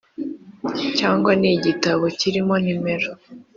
cyangwa ni igitabo kirimo numero